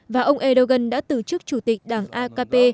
và ông erdogan đã từ chức chủ tịch đảng akp